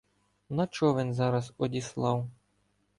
На човен зараз одіслав